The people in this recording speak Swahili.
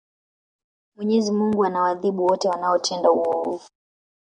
mwenyezi mungu anawaadhibu wote wanaotenda uovu